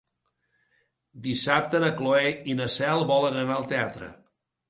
Dissabte na Cloè i na Cel volen anar al teatre.